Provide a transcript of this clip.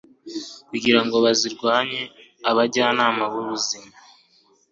kugira ngo bazirwanye. abajyanama b'ubuzima